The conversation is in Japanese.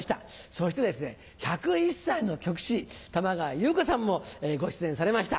そしてですね１０１歳の曲師玉川祐子さんもご出演されました。